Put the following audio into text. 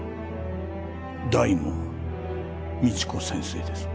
大門未知子先生です。